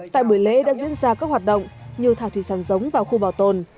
tại buổi lễ đã diễn ra các hoạt động như thả thủy sản giống vào khu bảo tồn